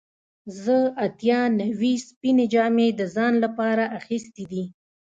زه اتیا نوي سپینې جامې د ځان لپاره اخیستې دي.